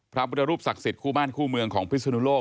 พระพุทธรูปศักดิ์สิทธิคู่บ้านคู่เมืองของพิศนุโลก